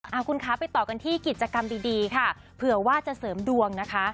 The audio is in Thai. เอาคุณคะไปต่อกันที่กิจกรรมดีดีค่ะเผื่อว่าจะเสริมดวงนะคะ